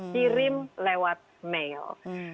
kirim lewat mail